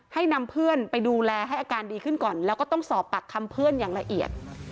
ให้นำเพื่อนไปดูแลให้อาการดีขึ้นก่อนแล้วก็ต้องสอบปากคำเพื่อนอย่างละเอียด